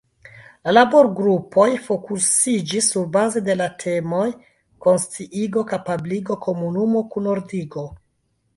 La laborgrupoj fokusiĝis surbaze de la temoj konsciigo, kapabligo, komunumo, kunordigo.